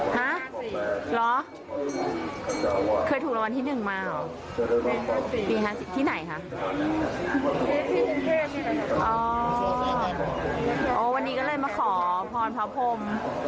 หรอเคยถูกรางวัลที่หนึ่งมาหรอที่ไหนค่ะวันนี้ก็เลยมาขอพรพพม